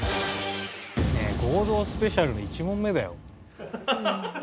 ねえ合同スペシャルの１問目だよ。